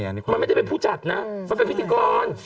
มันไม่ได้เป็นผู้จัดนะมันเป็นพิธีกร